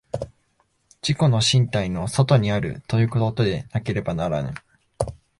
自己の身体の外にあるということでなければならぬ。